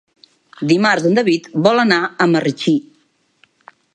Dimarts en David vol anar a Marratxí.